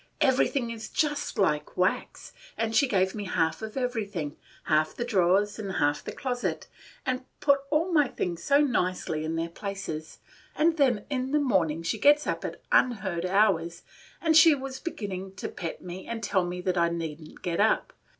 everything is just like wax; and she gave me half of everything, – half the drawers and half the closet, and put all my things so nicely in their places, and then in the morning she gets up at unheard of hours, and she was beginning to pet me and tell me that I need n't get up.